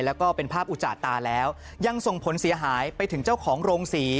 แล้วก็เป็นภาพอุจาตาแล้วยังส่งผลเสียหายไปถึงเจ้าของโรงศรี